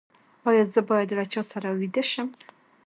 ایا زه باید له چا سره ویده شم؟